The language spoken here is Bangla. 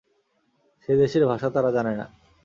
সে দেশের ভাষা তারা জানে না।